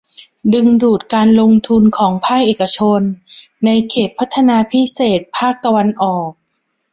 ดึงดูดการลงทุนของภาคเอกชน ในเขตพัฒนาพิเศษภาคตะวันออก